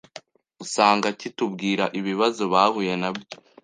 usanga kitubwira ibibazo bahuye nabyo